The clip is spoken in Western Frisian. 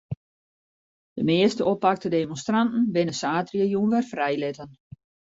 De measte oppakte demonstranten binne saterdeitejûn wer frijlitten.